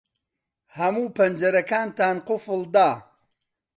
ھەموو پەنجەرەکانتان قوفڵ دا؟